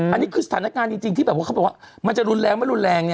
อันนี้คือสถานการณ์จริงที่แบบว่าเขาบอกว่ามันจะรุนแรงไม่รุนแรง